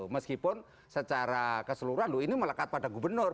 meskipun secara keseluruhan loh ini melekat pada gubernur